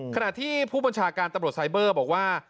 ขณะที่ผู้บัญชาการตำรวจไซเบอร์บอกว่า